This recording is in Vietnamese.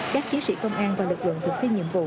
các chí sĩ công an và lực lượng thực hiện nhiệm vụ